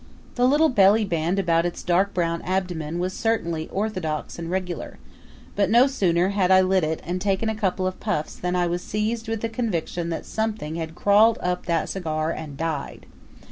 The little belly band about its dark brown abdomen was certainly orthodox and regular; but no sooner had I lit it and taken a couple of puffs than I was seized with the conviction that something had crawled up that cigar and died.